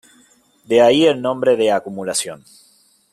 De ahí el nombre de acumulación.